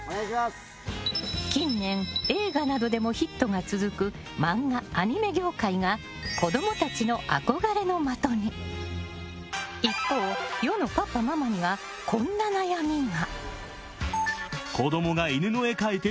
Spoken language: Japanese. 近年、映画などでもヒットが続く漫画・アニメ業界が子供たちの憧れの的に。一方、世のパパ・ママにはこんな悩みが。